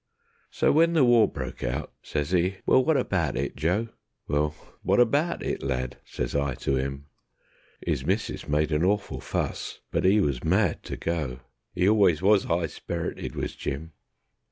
So when the war broke out, sez 'e: "Well, wot abaht it, Joe?" "Well, wot abaht it, lad?" sez I to 'im. 'Is missis made a awful fuss, but 'e was mad to go, ('E always was 'igh sperrited was Jim).